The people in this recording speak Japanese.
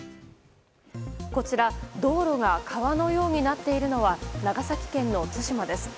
こちら、道路が川のようになっているのは長崎県の対馬です。